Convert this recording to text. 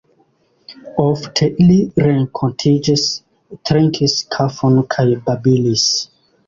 Ofte ili renkontiĝis, trinkis kafon kaj babilis.